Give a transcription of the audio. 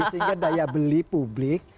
sehingga daya beli publik